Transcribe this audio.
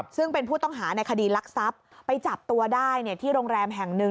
ซึ่งเป็นผู้ต้องหาในคดีลักทรัพย์ไปจับตัวได้ที่โรงแรมแห่งหนึ่ง